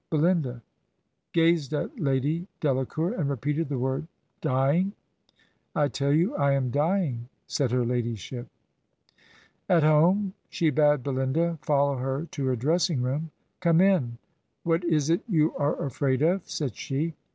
... Belinda ... gazed at Lady Delacour, and repeated the word, 'Dy ing!' ' I tell you I am dying,' said her ladyship." At home she bade Belinda " follow her to her dressing room. ... 'Come in; what is it you are afraid of ?' said she.